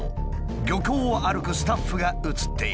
漁港を歩くスタッフが映っている。